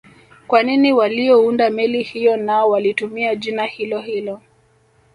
Kwa nini waliounda meli hiyo nao walitumia jina hilohilo